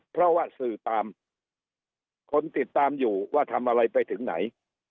เพราะว่าสื่อตามคนติดตามอยู่ว่าทำอะไรไปถึงไหน